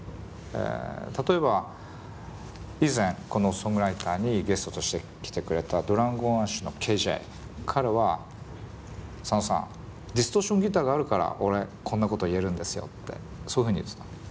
例えば以前この「ソングライター」にゲストとして来てくれたＤｒａｇｏｎＡｓｈのＫｊ彼は「佐野さんディストーションギターがあるから俺こんなこと言えるんですよ」ってそういうふうに言ってた。